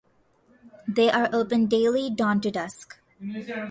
They are open daily, dawn to dusk.